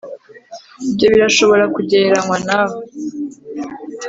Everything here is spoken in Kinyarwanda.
ibyo birashobora kugereranywa nawe